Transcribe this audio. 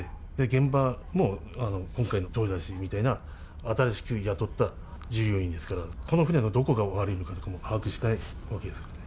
現場も今回の豊田氏みたいな、新しく雇った従業員ですから、この船のどこが悪いかとかも把握してないわけですから。